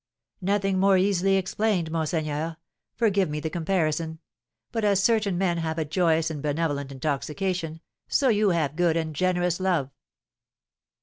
"Nothing more easily explained, monseigneur, forgive me the comparison, but, as certain men have a joyous and benevolent intoxication, so you have good and generous love."